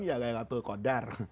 ya lelah tulqadar